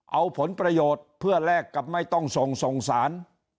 เอาผลประโยชน์เพื่อแลกกับไม่ต้องส่งส่งสาร